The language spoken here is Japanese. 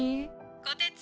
☎こてつ？